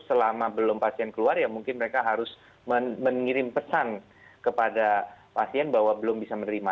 selama belum pasien keluar ya mungkin mereka harus mengirim pesan kepada pasien bahwa belum bisa menerima